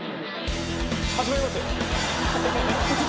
始まりますよ